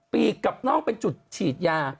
ปีกกับนอกเป็นจุดฉีดยา